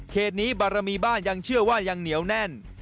เหตุนี้บารมีบ้านยังเชื่อว่ายังเหนียวแน่น